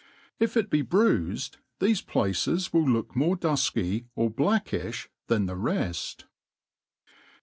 If it be bruiftd, tbefe places Will look more duf^y or blackiih than the reft.